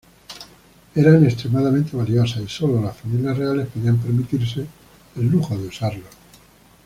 Eran extremadamente valiosas, y sólo las familias reales podían permitirse el lujo de usarlos.